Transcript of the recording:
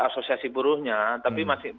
asosiasi buruhnya tapi masih